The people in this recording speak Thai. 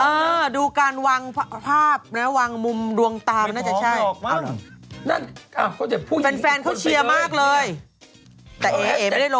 อาจจะอยากมีลูกสาวอีกหนึ่งหรือเปล่า